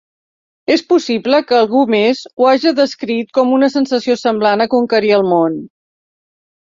És possible que algú més ho haja descrit com una sensació semblant a "conquerir el món".